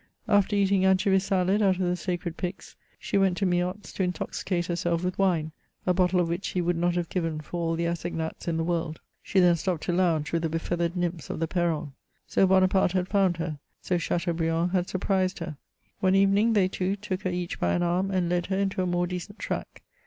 After eating anchovy salad out of the sacred pyx, she went to Meot's to intoxicate herself with wine, a bottle of which he would not have given for all the assignats in the world. She then stopped to lounge with the befeathered nympha of the Perron. So Bonaparte had found her, so Chateaubriand had surprised her. One evening they two took her each by an arm, and led her into a more decent track.